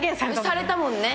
されたもんね。